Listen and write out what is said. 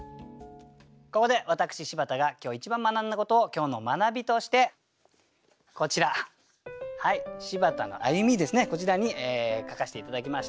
ここで私柴田が今日一番学んだことを今日の学びとしてこちらはい「柴田の歩み」ですねこちらに書かせて頂きました。